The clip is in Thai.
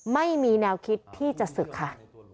ไม่มีแนวคิดที่จะศึกค่ะ